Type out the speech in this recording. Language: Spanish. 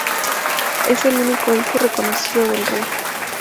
Es el único hijo reconocido del rey.